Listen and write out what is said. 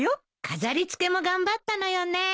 飾り付けも頑張ったのよねえ。